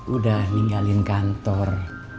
udah ninggalin kantor